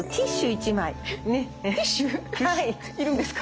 要るんですか？